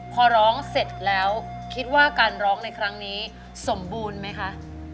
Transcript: พอร้องเสร็จแล้วคิดว่าการร้องในครั้งนี้สมบูรณ์ไหมคะ